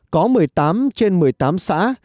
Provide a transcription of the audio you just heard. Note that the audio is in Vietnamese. có một mươi tám trên một mươi tám xã